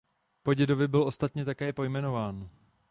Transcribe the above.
Po dědovi byl ostatně také pojmenován.